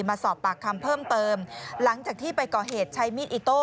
มาสอบปากคำเพิ่มเติมหลังจากที่ไปก่อเหตุใช้มีดอิโต้